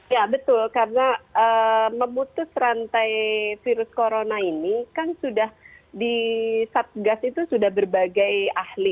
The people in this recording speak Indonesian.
ya betul karena memutus rantai virus corona ini kan sudah di satgas itu sudah berbagai ahli